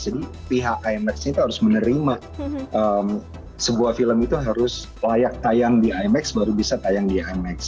jadi pihak imax itu harus menerima sebuah film itu harus layak tayang di imax baru bisa tayang di imax